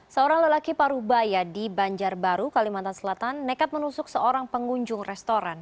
seorang lelaki paruh baya di banjarbaru kalimantan selatan nekat menusuk seorang pengunjung restoran